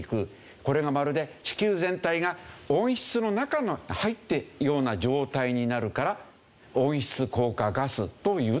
これがまるで地球全体が温室の中に入っているような状態になるから温室効果ガスと言うという事ですね。